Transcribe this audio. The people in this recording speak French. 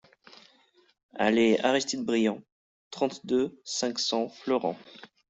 Allées Aristide Briand, trente-deux, cinq cents Fleurance